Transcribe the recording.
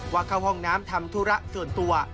ว่าเข้าห้องน้ำทำธุระส่วนตัว